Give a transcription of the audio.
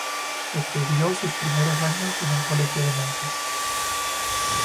Estudió sus primeros años en un colegio de monjas.